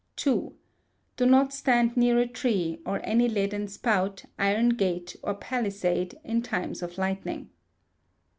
ii. Do not stand near a tree, or any leaden spout, iron gate, or palisade, in times of lightning.